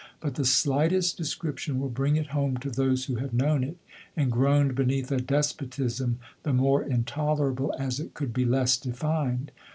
But the slightest description will bring it home to those who have known it, and groaned beneath a despotism the more intolerable, as it could be less defined.